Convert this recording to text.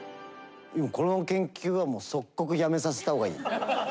この研究は即刻やめさせたほうがいい。